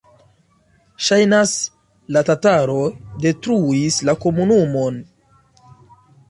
Ŝajnas, la tataroj detruis la komunumon.